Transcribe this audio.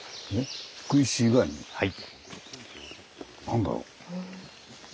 何だろう。